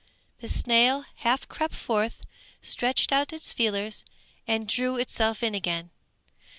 The snail half crept forth, stretched out its feelers and drew itself in again.